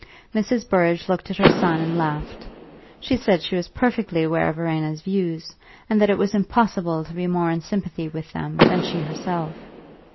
Mrs. Burrage looked at her son and laughed; she said she was perfectly aware of Verena's views, and that it was impossible to be more in sympathy with them than she herself.